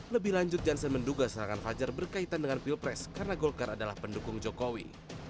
lebih lanjut jansen menduga serangan fajar berkaitan dengan pilpres karena golkar adalah pendukung jokowi